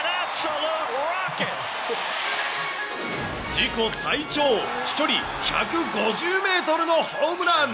自己最長、飛距離１５０メートルのホームラン。